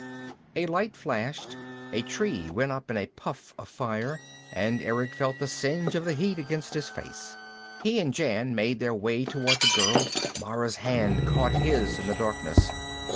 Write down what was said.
A light flashed. A tree went up in a puff of fire, and Erick felt the singe of the heat against his face. He and Jan made their way toward the girl. Mara's hand caught his in the darkness.